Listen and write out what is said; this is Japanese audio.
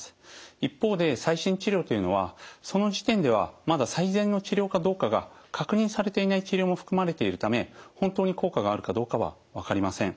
一方で最新治療というのはその時点ではまだ最善の治療かどうかが確認されていない治療も含まれているため本当に効果があるかどうかは分かりません。